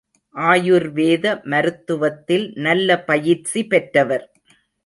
ஆயுர் வேத மருத்துவத்தில் நல்ல பயிற்சி பெற்றவர்.